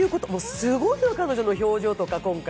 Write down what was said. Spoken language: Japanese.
すごいの、彼女の表情とか、今回。